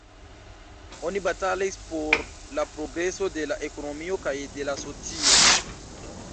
Oni batalis por la progreso de la ekonomio kaj de la socio.